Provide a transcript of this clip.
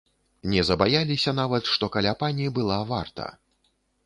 Не збаяліся нават, што каля пані была варта.